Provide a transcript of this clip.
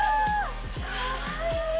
かわいい！